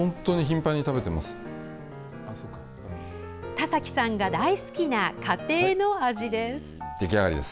田崎さんが大好きな家庭の味です。